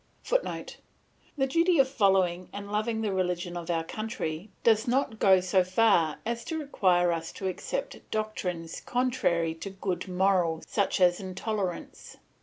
[Footnote: The duty of following and loving the religion of our country does not go so far as to require us to accept doctrines contrary to good morals, such as intolerance.